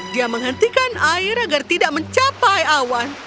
dia menghentikan air agar tidak mencapai awan